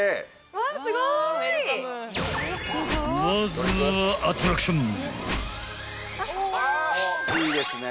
［まずはアトラクション］